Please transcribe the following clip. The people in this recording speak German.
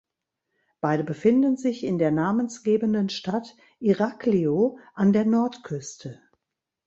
Beide befinden sich in der namensgebenden Stadt Iraklio an der Nordküste.